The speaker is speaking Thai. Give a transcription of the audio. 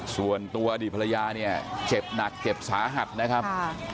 ส่วนตัวอดีตภรรยาเนี่ยเจ็บหนักเจ็บสาหัสนะครับ